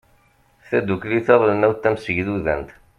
tadukli taɣelnawt tamsegdudant